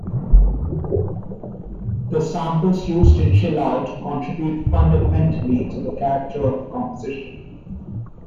The samples used in "Chill Out" contribute fundamentally to the character of the composition.